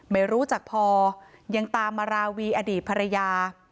ไม่รู้จักพอยังตามมาราวีอดีตภรรยา